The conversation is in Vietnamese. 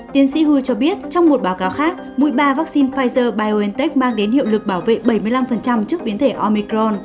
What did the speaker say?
tiến sĩ hua cho biết trong một báo cáo khác mũi ba vaccine pfizer biontech mang đến hiệu lực bảo vệ bảy mươi năm trước biến thể omicron